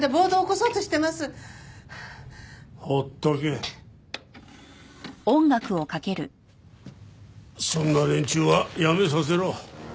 そんな連中は辞めさせろ。